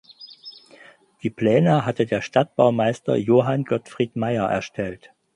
Die Pläne hatte der Stadtbaumeister Johann Gottfried Meyer erstellt.